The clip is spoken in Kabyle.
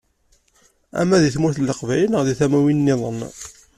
Ama deg tmurt n Leqbayel neɣ deg tamiwin-nniḍen.